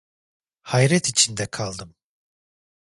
Hayret içinde kaldım.